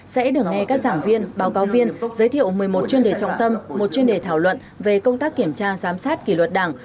sẽ được nghe các giảng viên báo cáo viên giới thiệu một mươi một chuyên đề trọng tâm một chuyên đề thảo luận về công tác kiểm tra giám sát kỷ luật đảng